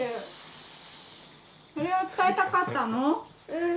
うん。